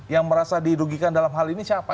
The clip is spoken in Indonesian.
yang merasa dirugikan dalam hal ini siapa